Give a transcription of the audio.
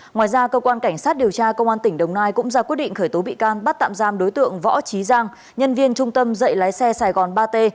ngoài ra cơ quan cảnh sát điều tra công an tỉnh đồng nai cũng ra quyết định khởi tố bị can bắt tạm giam đối tượng võ trí giang nhân viên trung tâm dạy lái xe sài gòn ba t